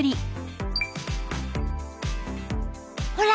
ほら！